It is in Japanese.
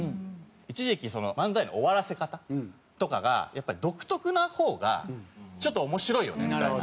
一時期漫才の終わらせ方とかがやっぱり独特な方がちょっと面白いよねみたいな。